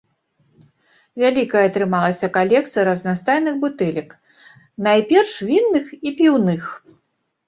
Вялікай атрымалася калекцыя разнастайных бутэлек, найперш вінных і піўных.